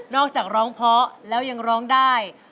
อกจากร้องเพราะแล้วยังร้องได้